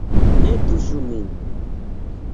Ne tuŝu min.